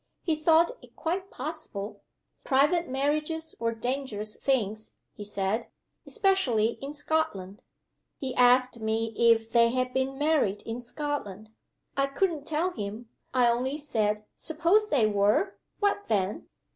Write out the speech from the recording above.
He thought it quite possible. Private marriages were dangerous things (he said) especially in Scotland. He asked me if they had been married in Scotland. I couldn't tell him I only said, 'Suppose they were? What then?